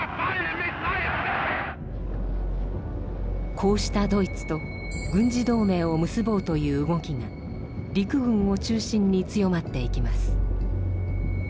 こうしたドイツと軍事同盟を結ぼうという動きが陸軍を中心に強まっていきます。